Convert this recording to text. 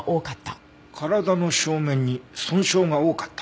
体の正面に損傷が多かった？